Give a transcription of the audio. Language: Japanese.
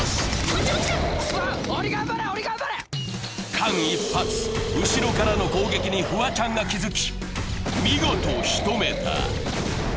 間一髪、後ろからの攻撃にフワちゃんが気づき、見事仕留めた。